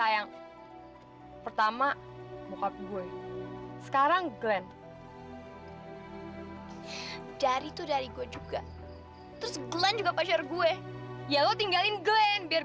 ya udah deh udah deh